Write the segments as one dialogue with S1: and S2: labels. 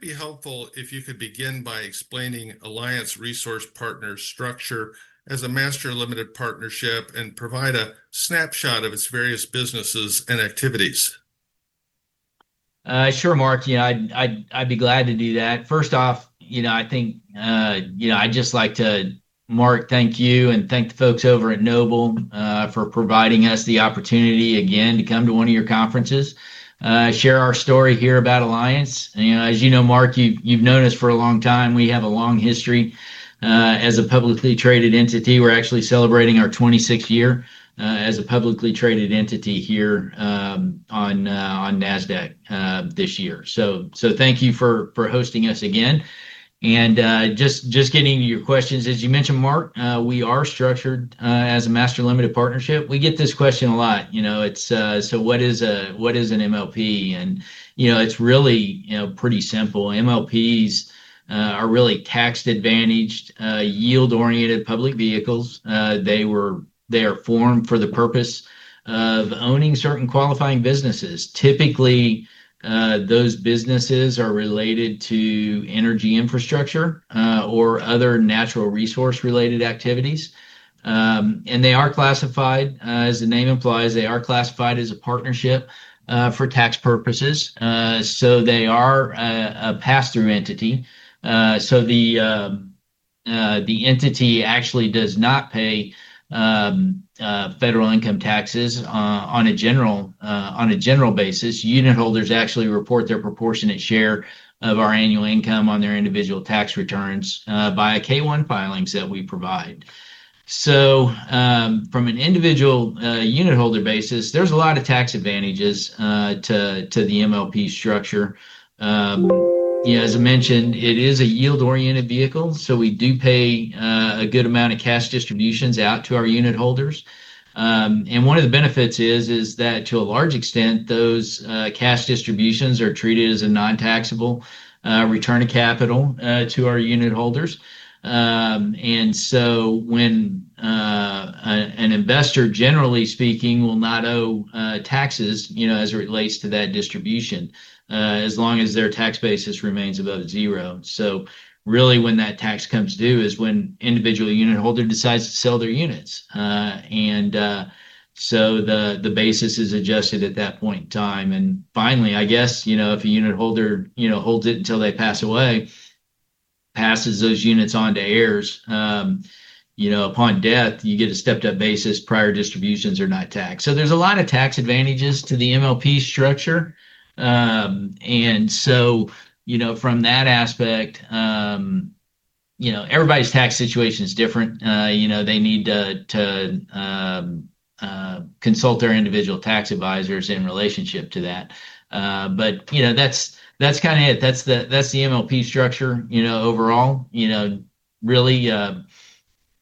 S1: Be helpful if you could begin by explaining Alliance Resource Partners' structure as a master limited partnership and provide a snapshot of its various businesses and activities.
S2: Sure, Mark, yeah, I'd be glad to do that. First off, I think I'd just like to, Mark, thank you and thank the folks over at NOBLE for providing us the opportunity again to come to one of your conferences, share our story here about Alliance. As you know, Mark, you've known us for a long time. We have a long history. As a publicly traded entity, we're actually celebrating our 26th year as a publicly traded entity here on NASDAQ this year. Thank you for hosting us again. Just getting to your questions, as you mentioned, Mark, we are structured as a master limited partnership. We get this question a lot, what is an MLP? It's really pretty simple. MLPs are really tax-advantaged, yield-oriented public vehicles. They are formed for the purpose of owning certain qualifying businesses. Typically, those businesses are related to energy infrastructure or other natural resource-related activities. As the name implies, they are classified as a partnership for tax purposes. They are a pass-through entity. The entity actually does not pay federal income taxes on a general basis. Unitholders actually report their proportionate share of our annual income on their individual tax returns via K-1 filings that we provide. From an individual unitholder basis, there's a lot of tax advantages to the MLP structure. As I mentioned, it is a yield-oriented vehicle, so we do pay a good amount of cash distributions out to our unitholders. One of the benefits is that to a large extent, those cash distributions are treated as a non-taxable return of capital to our unitholders. When an investor, generally speaking, will not owe taxes as it relates to that distribution, as long as their tax basis remains above zero. Really, when that tax comes due is when an individual unitholder decides to sell their units. The basis is adjusted at that point in time. Finally, if a unitholder holds it until they pass away, passes those units on to heirs, upon death, you get a stepped-up basis, prior distributions are not taxed. There's a lot of tax advantages to the MLP structure. From that aspect, everybody's tax situation is different. They need to consult their individual tax advisors in relationship to that. That's kind of it. That's the MLP structure, you know, overall.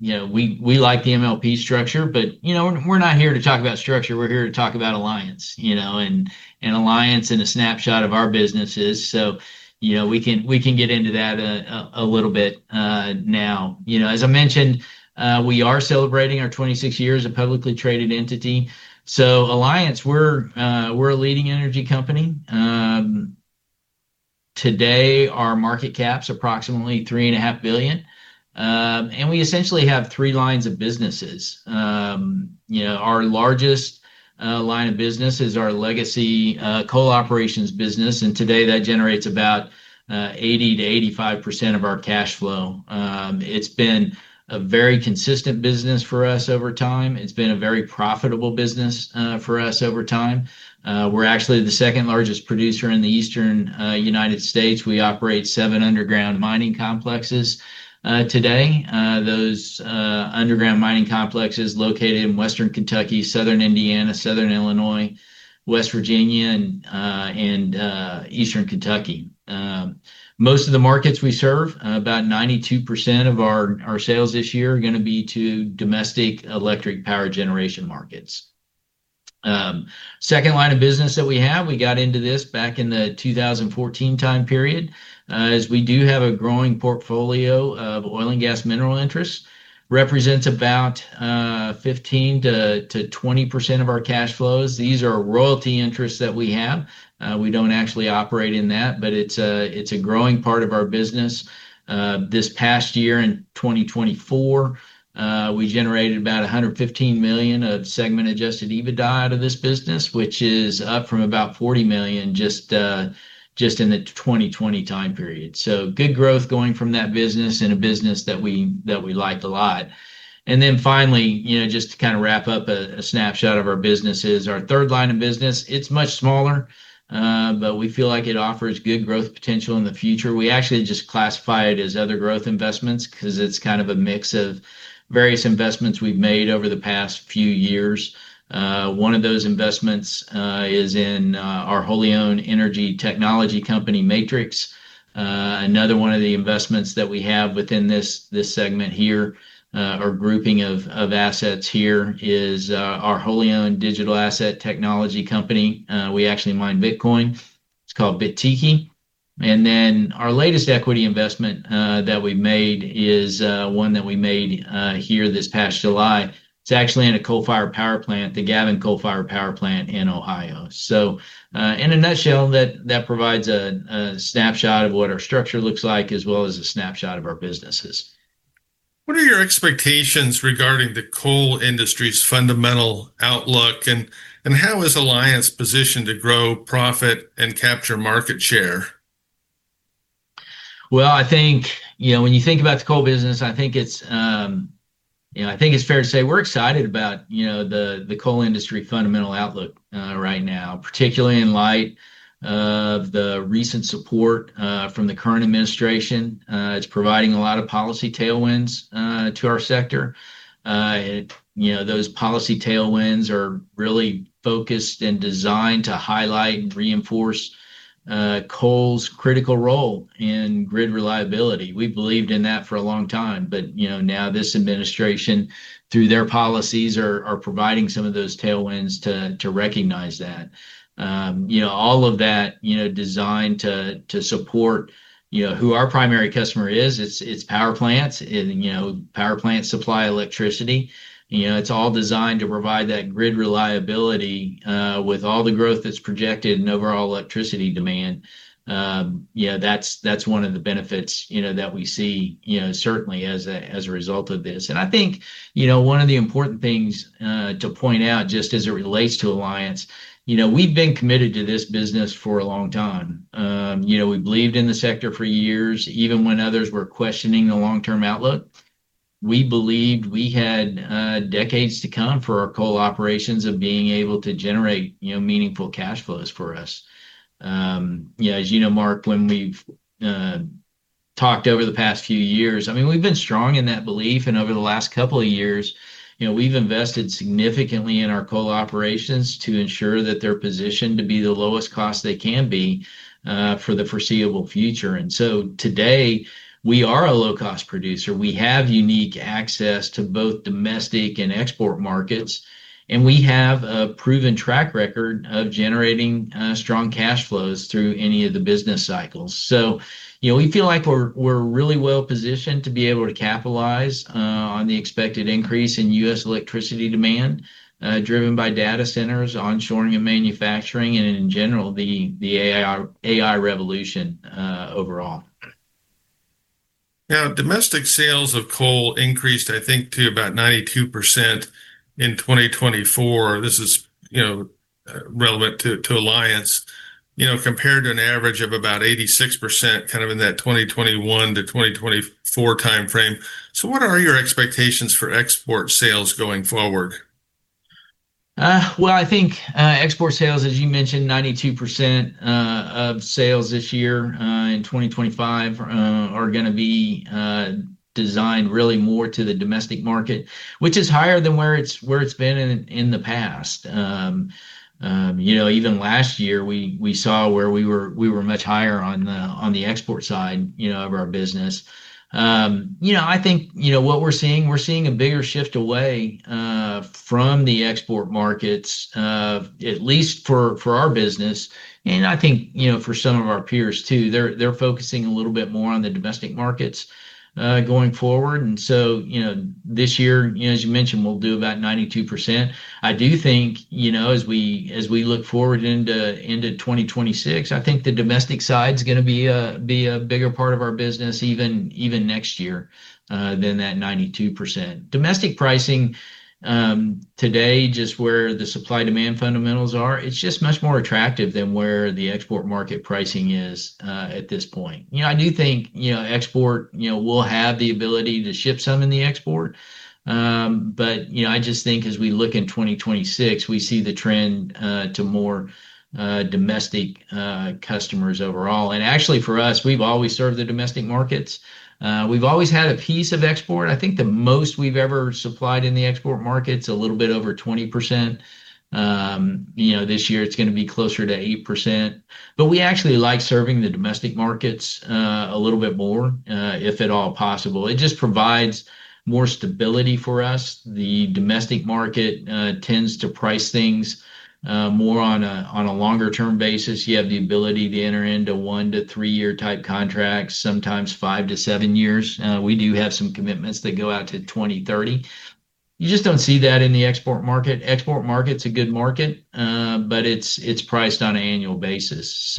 S2: We like the MLP structure, but we're not here to talk about structure. We're here to talk about Alliance, you know, and Alliance and a snapshot of our businesses. We can get into that a little bit now. As I mentioned, we are celebrating our 26 years of publicly traded entity. So, Alliance, we're a leading energy company. Today, our market cap is approximately $3.5 billion. We essentially have three lines of businesses. Our largest line of business is our legacy coal operations business. Today, that generates about 80%-85% of our cash flow. It's been a very consistent business for us over time. It's been a very profitable business for us over time. We're actually the second largest producer in the Eastern United States. We operate seven underground mining complexes today. Those underground mining complexes are located in Western Kentucky, Southern Indiana, Southern Illinois, West Virginia, and Eastern Kentucky. Most of the markets we serve, about 92% of our sales this year are going to be to domestic electric power generation markets. The second line of business that we have, we got into this back in the 2014 time period, as we do have a growing portfolio of oil and gas mineral interests, represents about 15%-20% of our cash flows. These are royalty interests that we have. We don't actually operate in that, but it's a growing part of our business. This past year, in 2024, we generated about $115 million of segment-adjusted EBITDA out of this business, which is up from about $40 million just in the 2020 time period. Good growth going from that business and a business that we liked a lot. Finally, just to kind of wrap up a snapshot of our businesses, our third line of business, it's much smaller, but we feel like it offers good growth potential in the future. We actually just classify it as other growth investments because it's kind of a mix of various investments we've made over the past few years. One of those investments is in our wholly owned energy technology company, Matrix. Another one of the investments that we have within this segment here, or grouping of assets here, is our wholly owned digital asset technology company. We actually mine Bitcoin. It's called Bitiki. Our latest equity investment that we've made is one that we made here this past July. It's actually in a coal-fired power plant, the Gavin coal-fired power plant in Ohio. In a nutshell, that provides a snapshot of what our structure looks like, as well as a snapshot of our businesses. What are your expectations regarding the coal industry's fundamental outlook? How is Alliance positioned to grow profit and capture market share? I think, you know, when you think about the coal business, I think it's fair to say we're excited about the coal industry fundamental outlook right now, particularly in light of the recent support from the current administration. It's providing a lot of policy tailwinds to our sector. Those policy tailwinds are really focused and designed to highlight and reinforce coal's critical role in grid reliability. We've believed in that for a long time, but now this administration, through their policies, is providing some of those tailwinds to recognize that. All of that is designed to support who our primary customer is, it's power plants, and power plants supply electricity. It's all designed to provide that grid reliability with all the growth that's projected and overall electricity demand. That's one of the benefits that we see, certainly as a result of this. I think one of the important things to point out just as it relates to Alliance, we've been committed to this business for a long time. We believed in the sector for years, even when others were questioning the long-term outlook. We believed we had decades to come for our coal operations of being able to generate meaningful cash flows for us. As you know, Mark, when we've talked over the past few years, we've been strong in that belief, and over the last couple of years, we've invested significantly in our coal operations to ensure that they're positioned to be the lowest cost they can be for the foreseeable future. Today, we are a low-cost producer. We have unique access to both domestic and export markets, and we have a proven track record of generating strong cash flows through any of the business cycles. We feel like we're really well positioned to be able to capitalize on the expected increase in U.S. electricity demand, driven by data centers, onshoring and manufacturing, and in general, the AI revolution overall. Now, domestic sales of coal increased, I think, to about 92% in 2024. This is, you know, relevant to Alliance. You know, compared to an average of about 86% in that 2021 to 2024 timeframe. What are your expectations for export sales going forward? I think export sales, as you mentioned, 92% of sales this year in 2025 are going to be designed really more to the domestic market, which is higher than where it's been in the past. Even last year, we saw where we were much higher on the export side of our business. I think what we're seeing, we're seeing a bigger shift away from the export markets, at least for our business. I think for some of our peers too, they're focusing a little bit more on the domestic markets going forward. This year, as you mentioned, we'll do about 92%. I do think as we look forward into 2026, the domestic side is going to be a bigger part of our business, even next year, than that 92%. Domestic pricing today, just where the supply-demand fundamentals are, it's just much more attractive than where the export market pricing is at this point. I do think export, we'll have the ability to ship some in the export. I just think as we look in 2026, we see the trend to more domestic customers overall. Actually, for us, we've always served the domestic markets. We've always had a piece of export. I think the most we've ever supplied in the export market is a little bit over 20%. This year, it's going to be closer to 8%. We actually like serving the domestic markets a little bit more, if at all possible. It just provides more stability for us. The domestic market tends to price things more on a longer-term basis. You have the ability to enter into one to three-year type contracts, sometimes five to seven years. We do have some commitments that go out to 2030. You just don't see that in the export market. The export market is a good market, but it's priced on an annual basis.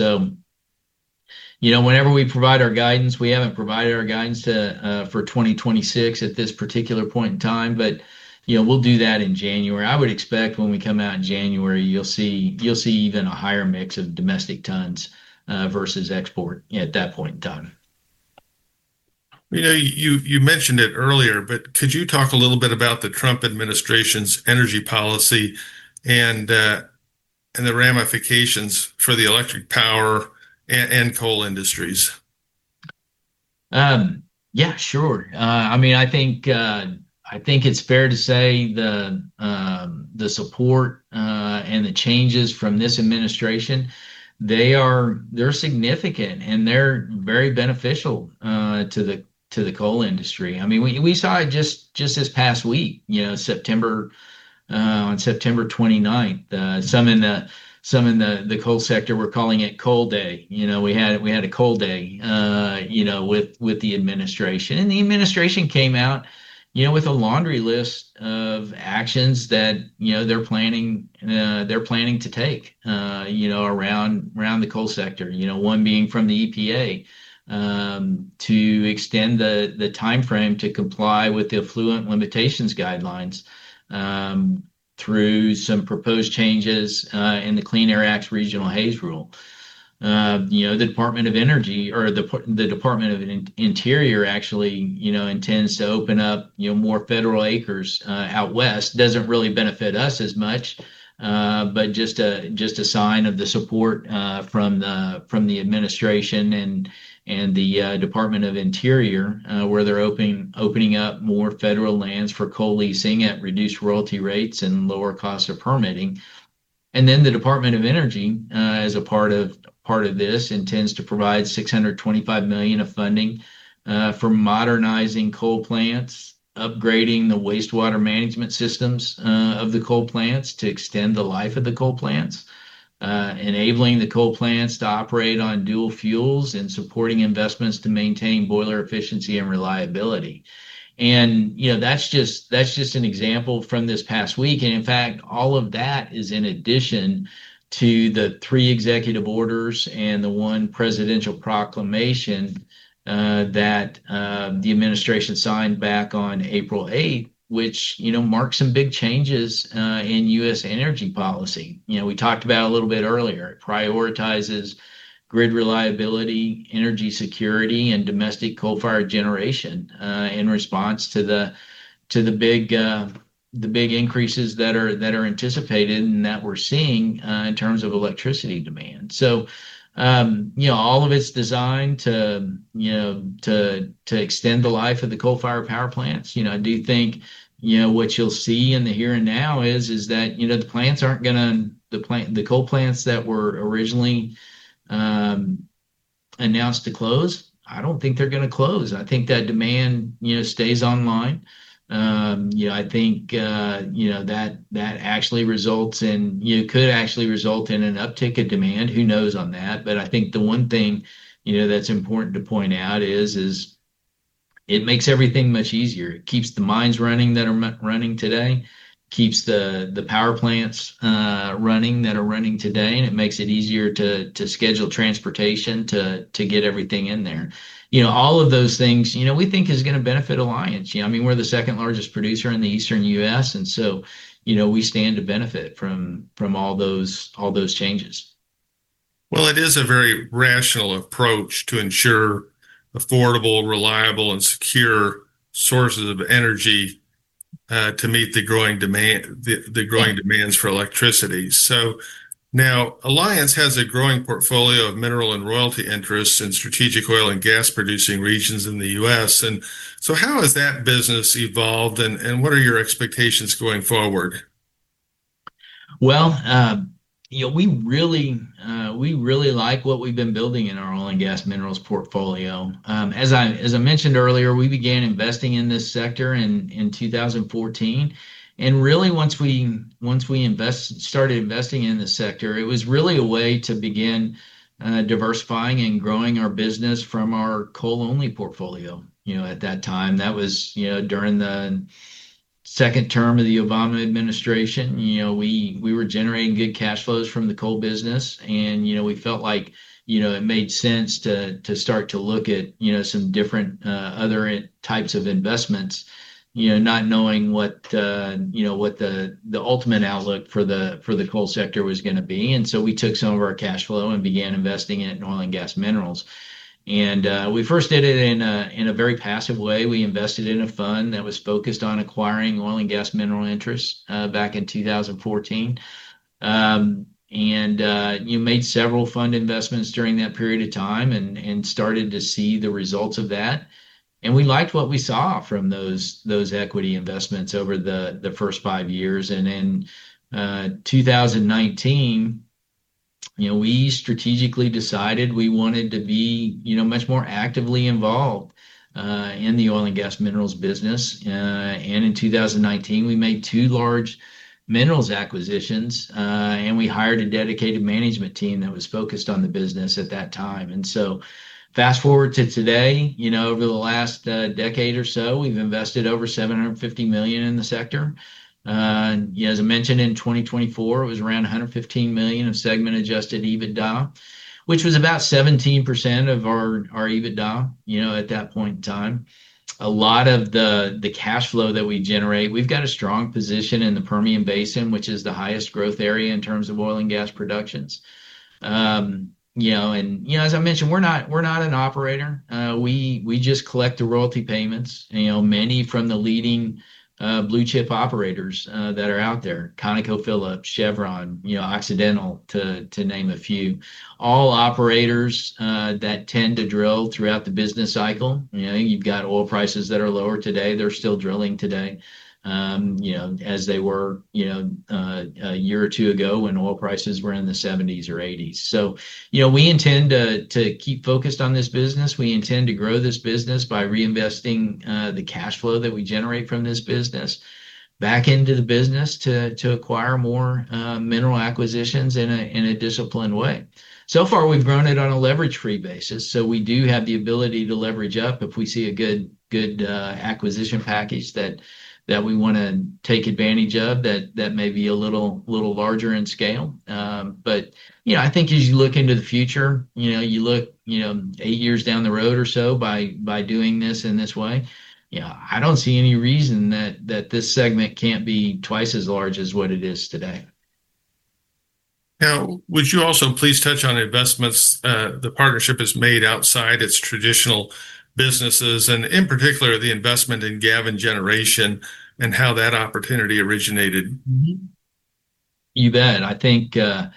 S2: Whenever we provide our guidance, we haven't provided our guidance for 2026 at this particular point in time, but we'll do that in January. I would expect when we come out in January, you'll see even a higher mix of domestic tons versus export at that point in time. You mentioned it earlier, but could you talk a little bit about the Trump administration's energy policy and the ramifications for the electric power and coal industries? Yeah, sure. I mean, I think it's fair to say the support and the changes from this administration they are significant and they're very beneficial to the coal industry. I mean, we saw it just this past week, on September 29, some in the coal sector were calling it coal day. We had a coal day with the administration. The administration came out with a laundry list of actions that they're planning to take around the coal sector, one being from the EPA to extend the timeframe to comply with the effluent limitations guidelines through some proposed changes in the Clean Air Act's Regional Haze Rule. The Department of Energy or the Department of Interior actually intends to open up more federal acres out west. It doesn't really benefit us as much, but just a sign of the support from the administration and the Department of Interior, where they're opening up more federal lands for coal leasing at reduced royalty rates and lower costs of permitting. The Department of Energy, as a part of this, intends to provide $625 million of funding for modernizing coal plants, upgrading the wastewater management systems of the coal plants to extend the life of the coal plants, enabling the coal plants to operate on dual fuels, and supporting investments to maintain boiler efficiency and reliability. That's just an example from this past week. In fact, all of that is in addition to the three executive orders and the one presidential proclamation that the administration signed back on April 8th, which marks some big changes in U.S. energy policy. We talked about a little bit earlier, it prioritizes grid reliability, energy security, and domestic coal-fired generation in response to the big increases that are anticipated and that we're seeing in terms of electricity demand. All of it's designed to extend the life of the coal-fired power plants. I do think what you'll see in the here and now is that the plants aren't going to, the coal plants that were originally announced to close, I don't think they're going to close. I think that demand stays online. I think that actually results in, could actually result in an uptick in demand. Who knows on that? I think the one thing that's important to point out is it makes everything much easier. It keeps the mines running that are running today, keeps the power plants running that are running today, and it makes it easier to schedule transportation to get everything in there. All of those things, we think, are going to benefit Alliance. I mean, we're the second largest producer in the Eastern U.S., and we stand to benefit from all those changes. It is a very rational approach to ensure affordable, reliable, and secure sources of energy to meet the growing demands for electricity. Alliance Resource Partners has a growing portfolio of mineral and royalty interests in strategic oil and gas producing regions in the U.S. How has that business evolved and what are your expectations going forward? You know, we really like what we've been building in our oil and gas minerals portfolio. As I mentioned earlier, we began investing in this sector in 2014. Once we started investing in this sector, it was really a way to begin diversifying and growing our business from our coal-only portfolio. At that time, that was during the second term of the Obama administration, we were generating good cash flows from the coal business. We felt like it made sense to start to look at some different other types of investments, not knowing what the ultimate outlook for the coal sector was going to be. We took some of our cash flow and began investing in oil and gas minerals. We first did it in a very passive way. We invested in a fund that was focused on acquiring oil and gas mineral interests back in 2014. We made several fund investments during that period of time and started to see the results of that. We liked what we saw from those equity investments over the first five years. In 2019, we strategically decided we wanted to be much more actively involved in the oil and gas minerals business. In 2019, we made two large minerals acquisitions, and we hired a dedicated management team that was focused on the business at that time. Fast forward to today, over the last decade or so, we've invested over $750 million in the sector. As I mentioned, in 2024, it was around $115 million of segment-adjusted EBITDA, which was about 17% of our EBITDA at that point in time. A lot of the cash flow that we generate, we've got a strong position in the Permian Basin, which is the highest growth area in terms of oil and gas productions. As I mentioned, we're not an operator. We just collect the royalty payments, many from the leading blue chip operators that are out there, ConocoPhillips, Chevron, Occidental, to name a few. All operators that tend to drill throughout the business cycle. You've got oil prices that are lower today. They're still drilling today as they were a year or two ago when oil prices were in the $70s or $80s. We intend to keep focused on this business. We intend to grow this business by reinvesting the cash flow that we generate from this business back into the business to acquire more mineral acquisitions in a disciplined way. So far, we've grown it on a leverage-free basis. We do have the ability to leverage up if we see a good acquisition package that we want to take advantage of that may be a little larger in scale. I think as you look into the future, you look eight years down the road or so, by doing this in this way, I don't see any reason that this segment can't be twice as large as what it is today. Now, would you also please touch on investments the partnership has made outside its traditional businesses, and in particular the investment in Gavin generation and how that opportunity originated? You bet. I think, as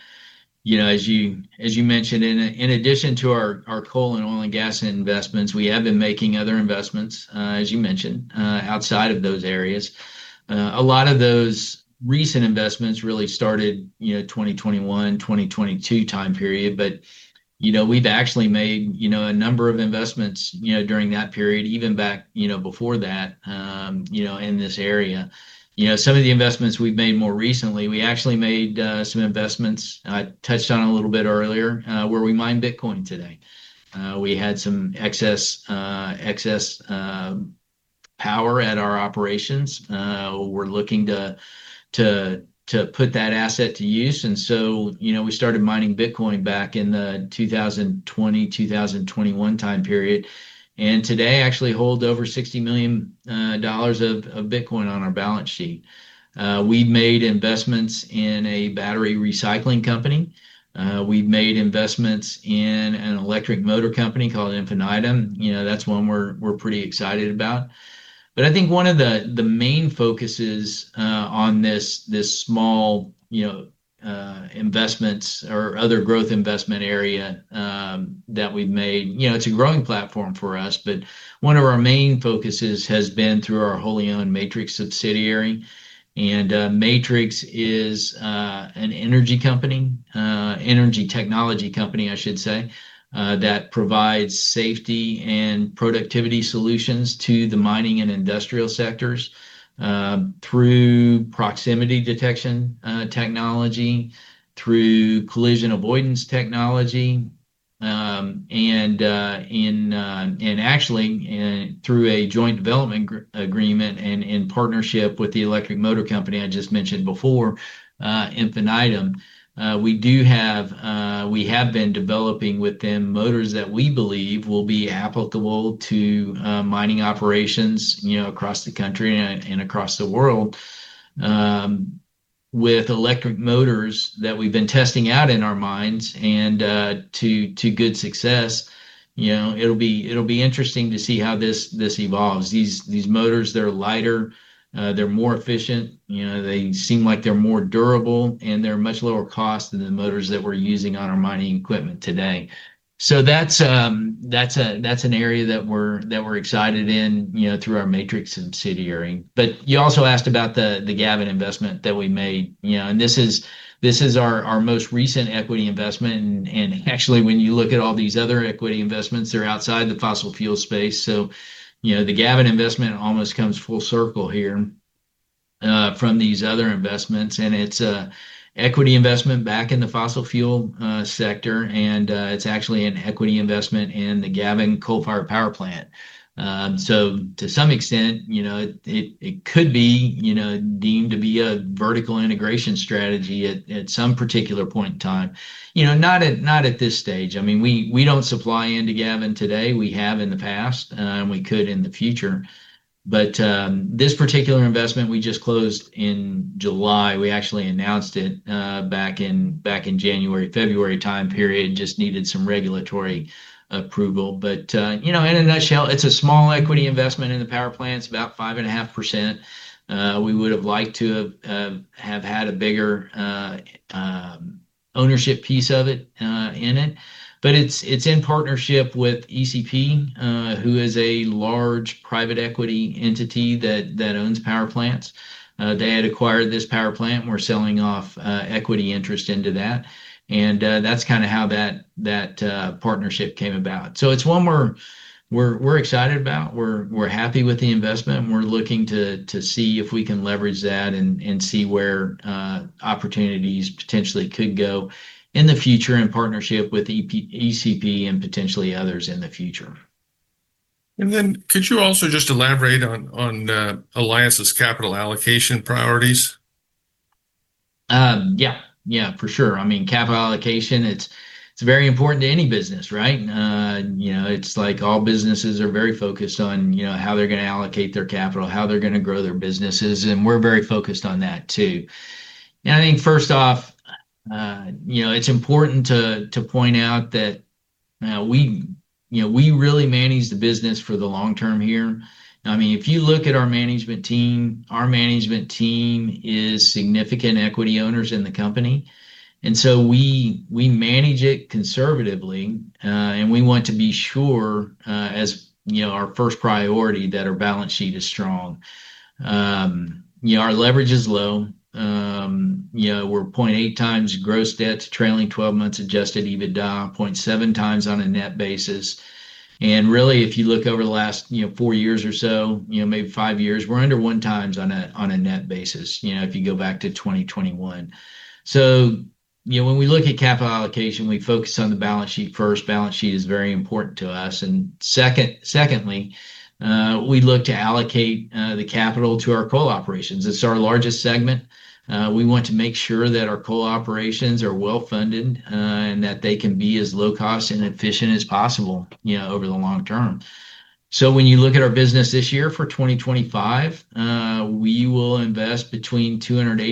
S2: you mentioned, in addition to our coal and oil and gas investments, we have been making other investments, as you mentioned, outside of those areas. A lot of those recent investments really started in the 2021, 2022 time period. We've actually made a number of investments during that period, even back before that in this area. Some of the investments we've made more recently, we actually made some investments I touched on a little bit earlier where we mine Bitcoin today. We had some excess power at our operations. We're looking to put that asset to use. We started mining Bitcoin back in the 2020, 2021 time period. Today, I actually hold over $60 million of Bitcoin on our balance sheet. We've made investments in a battery recycling company. We've made investments in an electric motor company called Infinitum. That's one we're pretty excited about. I think one of the main focuses on this small investments or other growth investment area that we've made, it's a growing platform for us. One of our main focuses has been through our wholly owned Matrix subsidiary. Matrix is an energy technology company, I should say, that provides safety and productivity solutions to the mining and industrial sectors through proximity detection technology, through collision avoidance technology, and actually through a joint development agreement and in partnership with the electric motor company I just mentioned before, Infinitum. We have been developing with them motors that we believe will be applicable to mining operations across the country and across the world with electric motors that we've been testing out in our mines and to good success. It'll be interesting to see how this evolves. These motors, they're lighter, they're more efficient, they seem like they're more durable, and they're much lower cost than the motors that we're using on our mining equipment today. That's an area that we're excited in through our Matrix subsidiary. You also asked about the Gavin investment that we made. This is our most recent equity investment. Actually, when you look at all these other equity investments, they're outside the fossil fuel space. The Gavin investment almost comes full circle here from these other investments. It's an equity investment back in the fossil fuel sector, and it's actually an equity investment in the Gavin coal-fired power plant. To some extent, it could be deemed to be a vertical integration strategy at some particular point in time, not at this stage. I mean, we don't supply into Gavin today. We have in the past, and we could in the future. This particular investment we just closed in July; we actually announced it back in January, February time period, just needed some regulatory approval. In a nutshell, it's a small equity investment in the power plant, about 5.5%. We would have liked to have had a bigger ownership piece of it. It's in partnership with ECP, who is a large private equity entity that owns power plants. They had acquired this power plant and were selling off equity interest into that, and that's kind of how that partnership came about. It's one we're excited about. We're happy with the investment, and we're looking to see if we can leverage that and see where opportunities potentially could go in the future in partnership with ECP and potentially others in the future. Could you also just elaborate on Alliance's capital allocation priorities? Yeah, yeah, for sure. I mean, capital allocation, it's very important to any business, right? You know, it's like all businesses are very focused on, you know, how they're going to allocate their capital, how they're going to grow their businesses. We're very focused on that too. I think first off, it's important to point out that we really manage the business for the long term here. I mean, if you look at our management team, our management team is significant equity owners in the company. We manage it conservatively. We want to be sure, as you know, our first priority, that our balance sheet is strong. Our leverage is low. We're 0.8x gross debt to trailing 12 months adjusted EBITDA, 0.7x on a net basis. Really, if you look over the last four years or so, maybe five years, we're under one times on a net basis if you go back to 2021. When we look at capital allocation, we focus on the balance sheet first. Balance sheet is very important to us. Secondly, we look to allocate the capital to our coal operations. It's our largest segment. We want to make sure that our coal operations are well funded and that they can be as low cost and efficient as possible over the long term. When you look at our business this year for 2025, we will invest between $285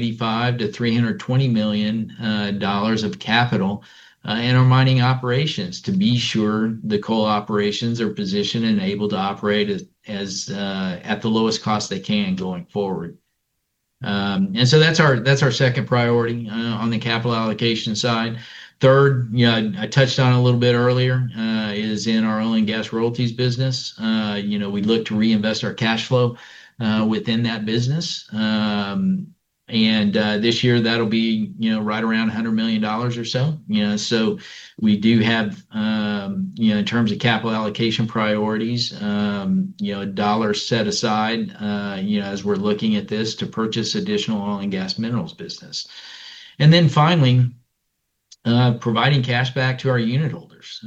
S2: million-$320 million of capital in our mining operations to be sure the coal operations are positioned and able to operate at the lowest cost they can going forward. That's our second priority on the capital allocation side. Third, I touched on a little bit earlier, is in our oil and gas royalties business. We look to reinvest our cash flow within that business. This year, that'll be right around $100 million or so. We do have, in terms of capital allocation priorities, a dollar set aside as we're looking at this to purchase additional oil and gas minerals business. Finally, providing cash back to our unitholders.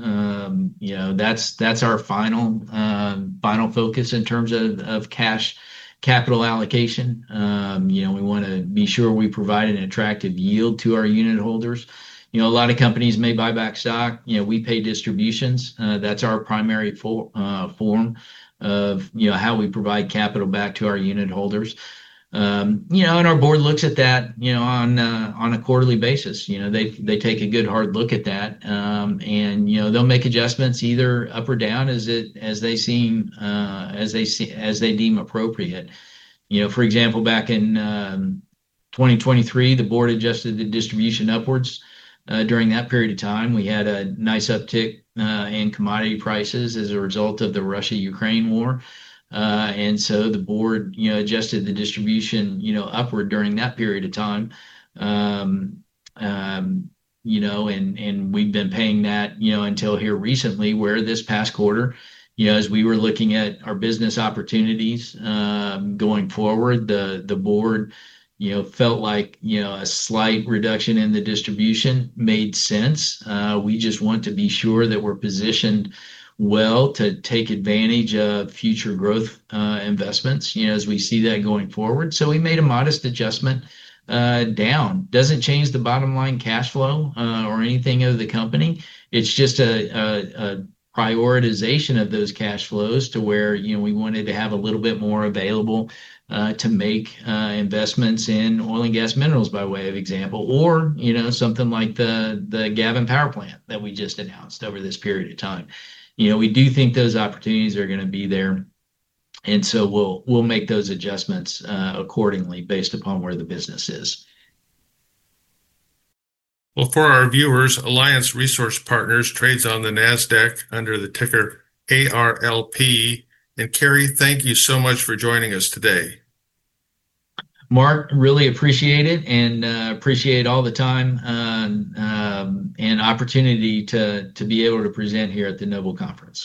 S2: That's our final focus in terms of cash capital allocation. We want to be sure we provide an attractive yield to our unitholders. A lot of companies may buy back stock. We pay distributions. That's our primary form of how we provide capital back to our unitholders. Our board looks at that on a quarterly basis. They take a good hard look at that, and they'll make adjustments either up or down as they seem appropriate. For example, back in 2023, the board adjusted the distribution upwards. During that period of time, we had a nice uptick in commodity prices as a result of the Russia-Ukraine war, and the board adjusted the distribution upward during that period of time. We've been paying that until here recently where this past quarter, as we were looking at our business opportunities going forward, the board felt like a slight reduction in the distribution made sense. We just want to be sure that we're positioned well to take advantage of future growth investments as we see that going forward. We made a modest adjustment down. It doesn't change the bottom line cash flow or anything of the company. It's just a prioritization of those cash flows to where we wanted to have a little bit more available to make investments in oil and gas minerals by way of example, or something like the Gavin coal-fired power plant that we just announced over this period of time. We do think those opportunities are going to be there, and we'll make those adjustments accordingly based upon where the business is. For our viewers, Alliance Resource Partners trades on the NASDAQ under the ticker ARLP. Cary, thank you so much for joining us today. Mark, really appreciate it and appreciate all the time and opportunity to be able to present here at the NOBLE Conference.